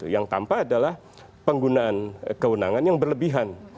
yang tampak adalah penggunaan kewenangan yang berlebihan